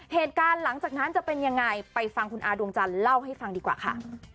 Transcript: เหตุการณ์หลังจากนั้นจะเป็นยังไงไปฟังคุณอาดวงจันทร์เล่าให้ฟังดีกว่าค่ะ